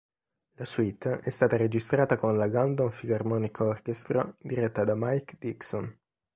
La suite è stata registrata con la London Philharmonic Orchestra, diretta da Mike Dixon.